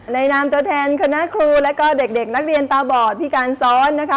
นามตัวแทนคณะครูแล้วก็เด็กนักเรียนตาบอดพิการซ้อนนะคะ